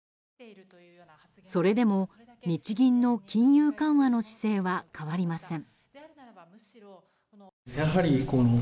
それでも、日銀の金融緩和の姿勢は変わりません。